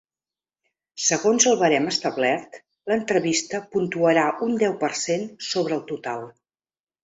Segons el barem establert, l’entrevista puntuarà un deu per cent sobre el total.